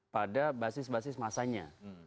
pada basis basis masanya